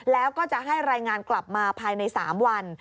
แล้วก็จะให้รายงานกลับมาภายใน๓วัน